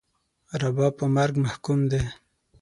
رباب په مرګ محکوم دی